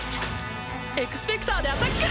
エクスペクターでアタック！